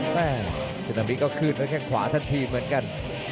แต่สุนามิก็ขึ้นแล้วแข่งขวาท่านทีมเหมือนกัน